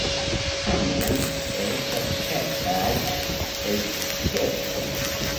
Tamen, estas kelkaj esceptoj.